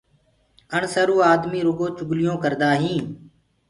اَڻسروُ آدمي رُگو چُگليونٚ ڪردآ هينٚ۔